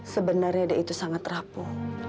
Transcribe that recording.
sebenarnya dia itu sangat rapuh